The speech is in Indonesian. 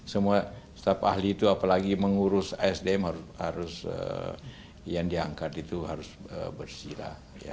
semua staf ahli itu apalagi mengurus sdm harus yang diangkat itu harus bersih lah